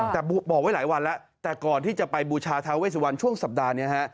แต่บอกไว้หลายวันแล้วแต่ก่อนที่จะไปบูชาทาเวสวันช่วงสัปดาห์นี้ฮะ